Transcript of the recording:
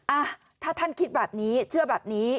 อ่ะถ้าท่านคิดแบบนี้เชื่อแบบนี้